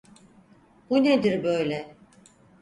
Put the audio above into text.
Bu nedir böyle?